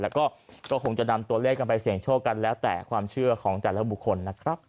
แล้วก็คงจะนำตัวเลขกันไปเสี่ยงโชคกันแล้วแต่ความเชื่อของแต่ละบุคคลนะครับ